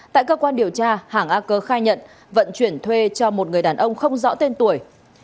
tại cơ quan điều tra hàng a cơ khai nhận vận chuyển thuê cho một người đàn ông không rõ tên tuổi